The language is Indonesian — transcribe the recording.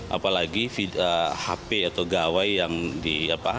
apalagi hp atau gawai yang diangkat